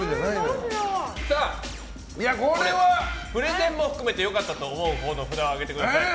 プレゼンも含めて良かったと思うほうの札を上げてください。